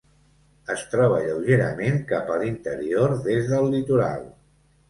Es troba lleugerament cap a l'interior des del litoral.